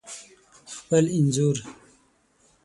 خپل انځور